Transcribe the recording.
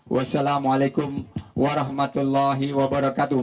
wassalamualaikum warahmatullahi wabarakatuh